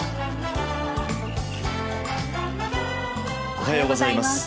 おはようございます。